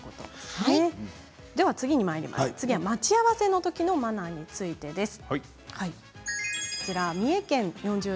次は待ち合わせのときのマナーについてです。